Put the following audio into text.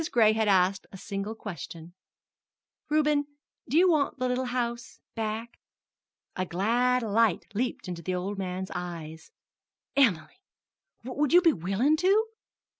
Gray had asked a single question: "Reuben, do you want the little house back?" A glad light leaped into the old man's eyes. "Em'ly would you be willin' to?"